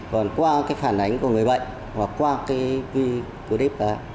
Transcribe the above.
còn qua cái phản ánh của người bệnh và qua cái clip đó